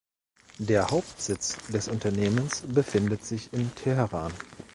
Der Hauptsitz des Unternehmens befindet sich in Teheran.